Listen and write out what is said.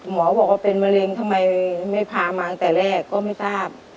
หมอบอกว่าเป็นมะเร็งทำไมไม่พามาตั้งแต่แรกก็ไม่ทราบ